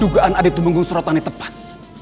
dugaan adik tumenggung suratani tepat